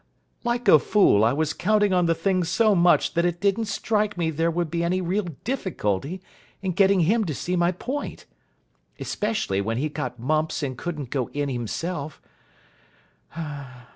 Like a fool, I was counting on the thing so much that it didn't strike me there would be any real difficulty in getting him to see my point. Especially when he got mumps and couldn't go in himself.